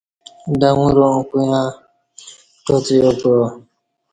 ڈنگوراں کویاں کٹا څیاکعا